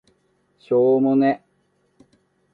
しょーもね